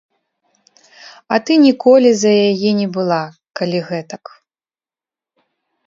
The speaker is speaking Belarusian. А ты ніколі за яе не была, калі гэтак.